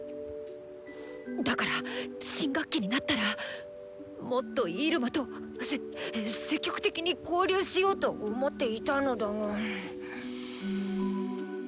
だから新学期になったらもっとイルマとせ積極的に交流しようと思っていたのだが。